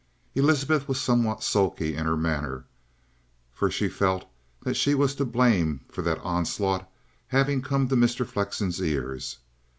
Elizabeth was somewhat sulky in her manner, for she felt that she was to blame for that onslaught having come to Mr. Flexen's ears.